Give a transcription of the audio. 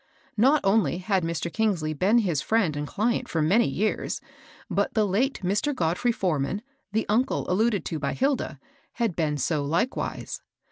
Not only had Mr. Kingsley been his friend and client for many years, but the 4ate Mr. Godfrey Forman, the uncle alluded to by Hilda, had been so likewise.